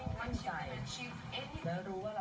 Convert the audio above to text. ข้อมูลเข้ามาดูครับ